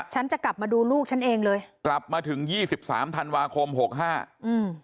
ฉันจะกลับมาดูลูกฉันเองเลยกลับมาถึงยี่สิบสามธันวาคมหกห้าอืม